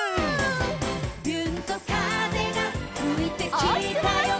「びゅーんと風がふいてきたよ」